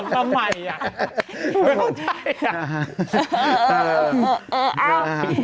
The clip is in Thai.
ไม่ได้ใส่อารมณ์ทำทำใหม่อะ